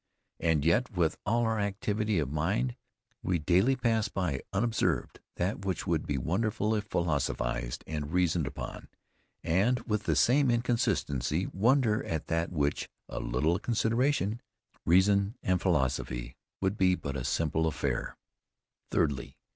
And yet with all our activity of mind, we daily pass by unobserved that which would be wonderful if philosophised and reasoned upon, and with the same inconsistency wonder at that which a little consideration, reason and philosophy would be but a simple affair. _Thirdly.